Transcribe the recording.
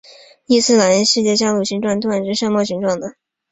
伊斯兰世界香炉形状通常是山猫形状的。